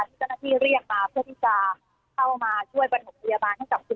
ที่เจ้าหน้าที่เรียกมาเพื่อที่จะเข้ามาช่วยประถมพยาบาลให้กับคุณ